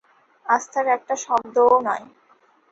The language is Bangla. আস্থার একটা শব্দও নয়।